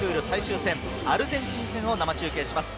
プール最終戦、アルゼンチン戦を生中継します。